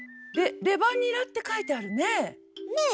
「レバニラ」って書いてあるねえ。